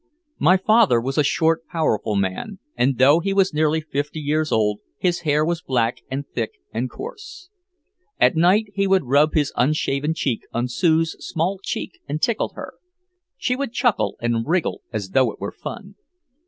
My father was a short, powerful man, and though he was nearly fifty years old his hair was black and thick and coarse. At night he would rub his unshaven cheek on Sue's small cheek and tickle her. She would chuckle and wriggle as though it were fun.